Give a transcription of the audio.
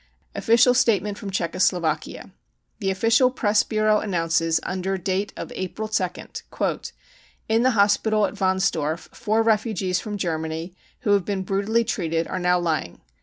Official Statement from Czechoslovakia. The official press bureau announces under date of Ap^il § THE PERSECUTION OF JEWS 25I 2nd :" In the hospital at Warnsdorf four refugees from Germany who have been brutally treated are now lying.